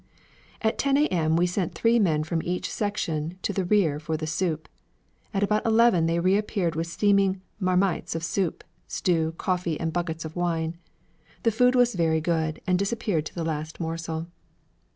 At 10 A.M. we sent three men from each section to the rear for the soup. At about eleven they reappeared with steaming marmites of soup, stew, coffee, and buckets of wine. The food was very good, and disappeared to the last morsel.